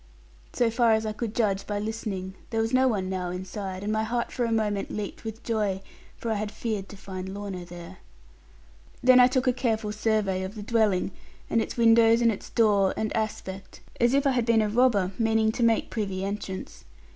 So far as I could judge by listening, there was no one now inside, and my heart for a moment leaped with joy, for I had feared to find Lorna there. Then I took a careful survey of the dwelling, and its windows, and its door, and aspect, as if I had been a robber meaning to make privy entrance.